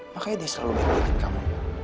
makanya dia selalu baik baikin kamu